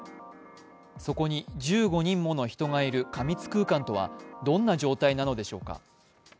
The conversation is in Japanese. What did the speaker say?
そこに１５人もの人がいる過密空間とはどんな状態なのでしょうか。